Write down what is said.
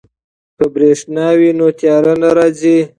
که بریښنا وي نو تیاره نه راځي.